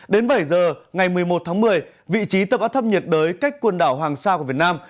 đến bảy giờ ngày một mươi một tháng một mươi vị trí tâm áp thấp nhiệt đới cách quần đảo hoàng sa của việt nam